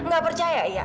gak percaya ya